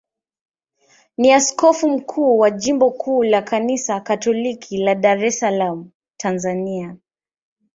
ni askofu mkuu wa jimbo kuu la Kanisa Katoliki la Dar es Salaam, Tanzania.